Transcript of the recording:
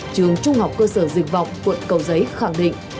trường trung học cơ sở dịch vọng quận cầu giấy khẳng định